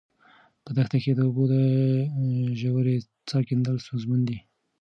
په دښته کې د اوبو د ژورې څاه کیندل ستونزمن دي.